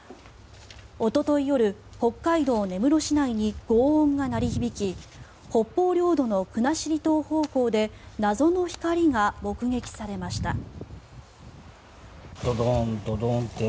おととい夜、北海道根室市内にごう音が鳴り響き北方領土の国後島方向で謎の光が目撃されました。